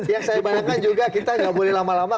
ya saya bayangkan juga kita tidak boleh lama lama